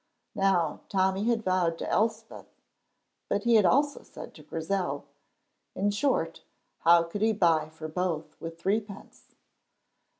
Now, Tommy had vowed to Elspeth But he had also said to Grizel In short, how could he buy for both with threepence?